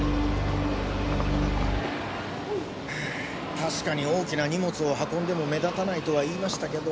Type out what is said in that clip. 確かに大きな荷物を運んでも目立たないとは言いましたけど。